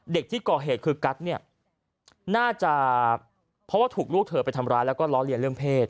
เด็กที่ก่อเหตุคือกัสเนี่ยน่าจะเพราะว่าถูกลูกเธอไปทำร้ายแล้วก็ล้อเลียนเรื่องเพศ